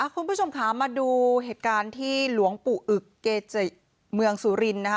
คุณผู้ชมค่ะมาดูเหตุการณ์ที่หลวงปู่อึกเกจิเมืองสุรินทร์นะคะ